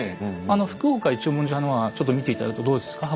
福岡一文字派のはちょっと見て頂くとどうですか？